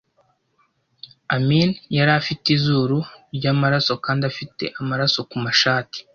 amani yari afite izuru ryamaraso kandi afite amaraso kumashati.